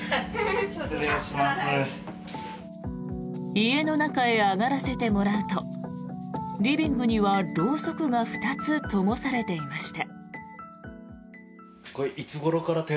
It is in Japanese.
家の中へ上がらせてもらうとリビングにはろうそくが２つともされていました。